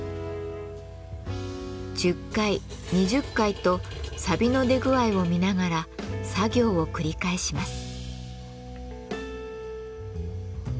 １０回２０回とさびの出具合を見ながら作業を繰り返します。